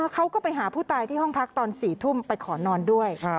เขาก็ไปหาผู้ตายที่ห้องพักตอน๔ทุ่มไปขอนอนด้วย